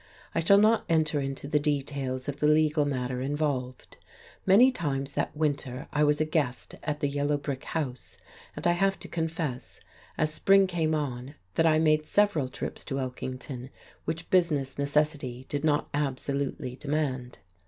I shall not enter into the details of the legal matter involved. Many times that winter I was a guest at the yellow brick house, and I have to confess, as spring came on, that I made several trips to Elkington which business necessity did not absolutely demand.